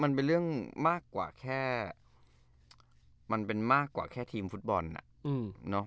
มันเป็นเรื่องมากกว่าแค่ทีมฟุตบอลนะ